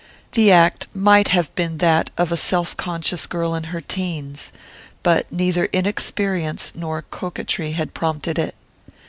The act might have been that of a self conscious girl in her teens; but neither inexperience nor coquetry had prompted it.